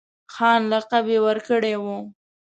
خان لقب یې ورکړی وو.